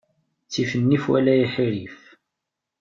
Ttif nnif wala iḥerrif.